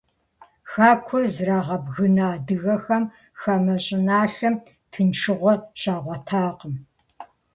Хэкур зрагъэбгына адыгэхэм хамэ щӀыналъэм тыншыгъуэ щагъуэтакъым.